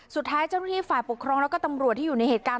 สุดท้ายเจ้าหน้าที่ฝ่ายปกครองแล้วก็ตำรวจที่อยู่ในเหตุการณ์